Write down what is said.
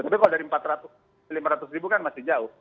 tapi kalau dari lima ratus ribu kan masih jauh